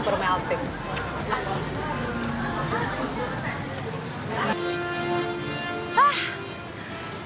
menapis manis di mana